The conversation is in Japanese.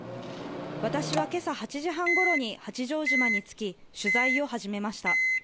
私はけさ８時半ごろに八丈島に着き取材を始めました。